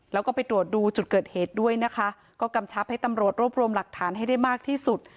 แล้วก็ไปตรวจดูจุดเกิดเหตุด้วยนะคะก็กำชับให้ตำรวจรวบรวมหลักฐานให้ได้มากที่สุด